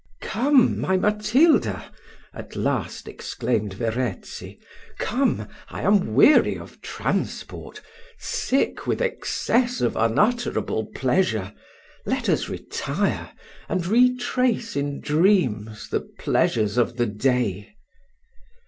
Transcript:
"Come, my Matilda," at last exclaimed Verezzi, "come, I am weary of transport sick with excess of unutterable pleasure: let us retire, and retrace in dreams the pleasures of the day."